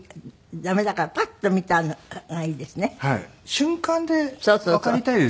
瞬間でわかりたいですよね？